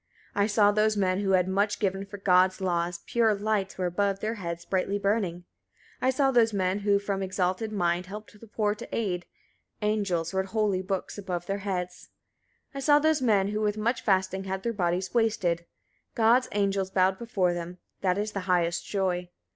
69. I saw those men who had much given for God's laws; pure lights were above their heads brightly burning. 70. I saw those men who from exalted mind helped the poor to aid: angels, read holy books above their heads. 71. I saw those men who with much fasting had their bodies wasted: God's angels bowed before them: that is the highest joy.